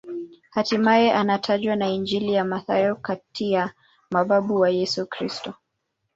Hatimaye anatajwa na Injili ya Mathayo kati ya mababu wa Yesu Kristo.